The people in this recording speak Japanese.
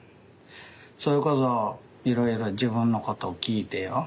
それこそいろいろ自分のことを聞いてよ。